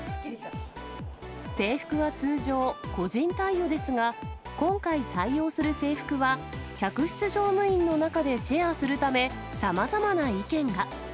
制服は通常、個人貸与ですが、今回、採用する制服は、客室乗務員の中でシェアするため、さまざまな意見が。